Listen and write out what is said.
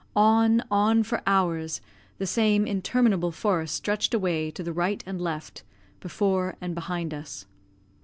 On, on for hours, the same interminable forest stretched away to the right and left, before and behind us.